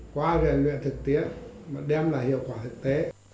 quá rèn luyện thực tiết mà đem lại hiệu quả thực tế